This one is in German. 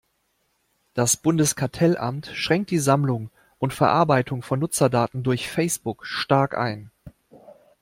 Das Bundeskartellamt schränkt die Sammlung und Verarbeitung von Nutzerdaten durch Facebook stark ein.